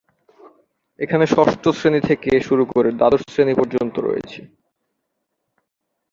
এখানে ষষ্ঠ শ্রেণি থেকে শুরু করে দ্বাদশ শ্রেণি পর্যন্ত রয়েছে।